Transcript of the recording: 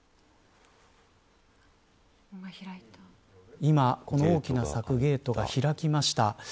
今大きな柵ゲートが開きました。